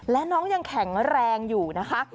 และน้องยังแข็งแรงอยู่นะคะ